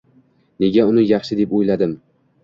Nega uni yaxshi deb o‘yladim